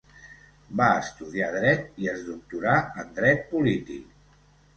Va estudiar Dret, i es doctorà en Dret polític.